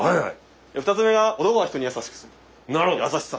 ２つ目が男は人に優しくする優しさ。